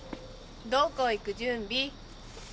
どこ行く準備？